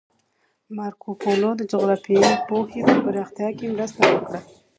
مارکوپولو د جغرافیایي پوهې په پراختیا کې مرسته وکړه.